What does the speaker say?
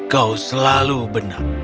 kau selalu benar